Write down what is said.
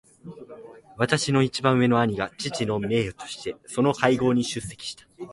私の一番上の兄が父の名代としてその会合に出席した。